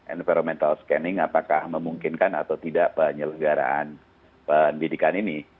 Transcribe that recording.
environmental scanning apakah memungkinkan atau tidak penyelenggaraan pendidikan ini